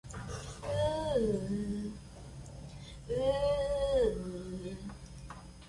O unidades según sistema de medida.